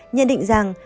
nhận định rằng